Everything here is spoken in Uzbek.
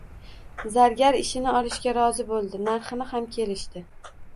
Zargar ishni olishga rozi boʻldi, narxini ham kelishdi